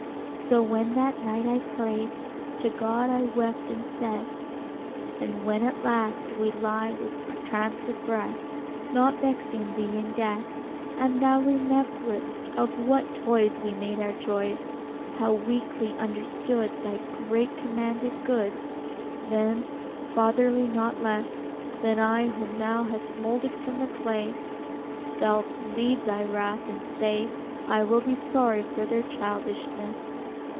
So when that night I pray'd To God, I wept, and said: Ah, when at last we lie with trancèd breath, Not vexing Thee in death, 25 And Thou rememberest of what toys We made our joys, How weakly understood Thy great commanded good, Then, fatherly not less 30 Than I whom Thou hast moulded from the clay, Thou'lt leave Thy wrath, and say, 'I will be sorry for their childishness.